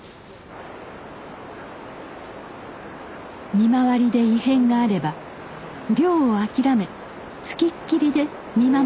見回りで異変があれば漁を諦め付きっきりで見守ることも。